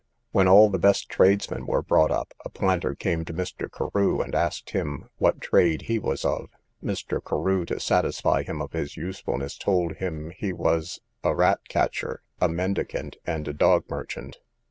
—When all the best tradesmen were bought up, a planter came to Mr. Carew, and asked him what trade he was of. Mr. Carew, to satisfy him of his usefulness, told him he was a rat catcher, a mendicant, and a dog merchant.